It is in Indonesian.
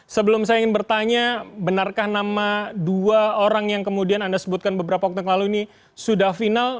sebelum saya ingin bertanya benarkah nama dua orang yang kemudian anda sebutkan beberapa waktu yang lalu ini sudah final